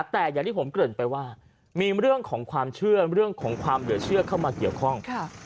แต่อย่างที่ผมเกริ่นไปว่ามีเรื่องของความเชื่อเรื่องของความเหลือเชื่อเข้ามาเกี่ยวข้อง